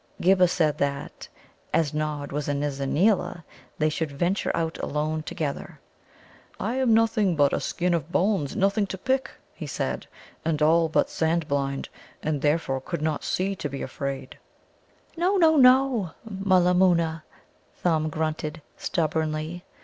Ghibba said that, as Nod was a Nizza neela, they should venture out alone together. "I am nothing but a skin of bones nothing to pick," he said, "and all but sand blind, and therefore could not see to be afraid." "No, no, no, Mulla moona," Thumb grunted stubbornly.